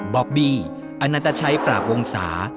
บอบบี้อนันตชัยปราบวงศา